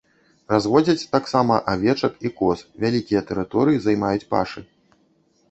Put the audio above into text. Разводзяць таксама авечак і коз, вялікія тэрыторыі займаюць пашы.